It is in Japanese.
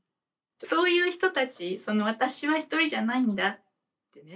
そういう人たちその私は一人じゃないんだってね